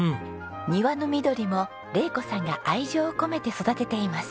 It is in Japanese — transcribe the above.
庭の緑も玲子さんが愛情を込めて育てています。